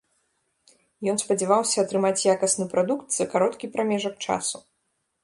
Ён спадзяваўся атрымаць якасны прадукт за кароткі прамежак часу.